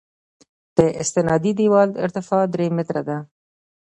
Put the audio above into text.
د استنادي دیوال ارتفاع درې متره ده